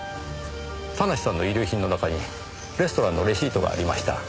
田無さんの遺留品の中にレストランのレシートがありました。